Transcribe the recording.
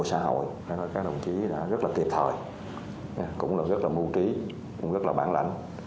tại đây các đồng chí đã rất là tiệp thời cũng là rất là mưu trí cũng rất là bản lãnh